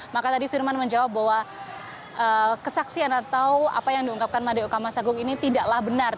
maka tadi firman menjawab bahwa kesaksian atau apa yang diungkapkan madeo kamasagung ini tidaklah benar